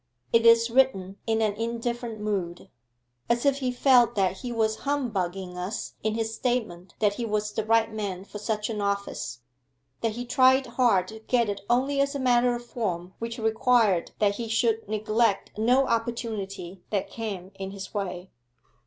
It is written in an indifferent mood, as if he felt that he was humbugging us in his statement that he was the right man for such an office, that he tried hard to get it only as a matter of form which required that he should neglect no opportunity that came in his way.